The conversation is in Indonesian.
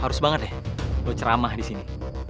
harus banget deh lo ceramah disini